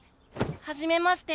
はじめまして。